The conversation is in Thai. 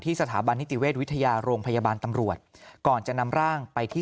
สถาบันนิติเวชวิทยาโรงพยาบาลตำรวจก่อนจะนำร่างไปที่